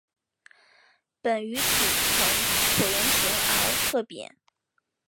本鱼体呈椭圆形而侧扁。